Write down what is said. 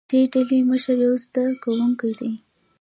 د دې ډلې مشر یو زده کوونکی دی.